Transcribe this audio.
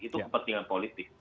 itu kepentingan politik